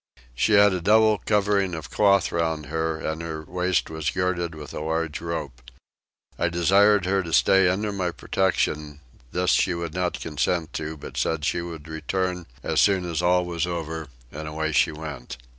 She had a double covering of cloth round her and her waist was girded with a large rope. I desired her to stay under my protection: this she would not consent to but said she would return as soon as all was over; and away she went.